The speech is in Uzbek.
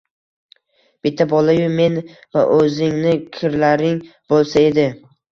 Bitta bola-yu, men va oʻzingni kirlaring boʻlsa edi.